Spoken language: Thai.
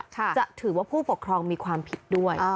จะถือว่าผู้ปกครองมีความผิดด้วย